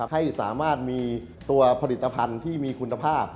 ให้สามารถมีตัวผลิตภัณฑ์ที่มีคุณภาพ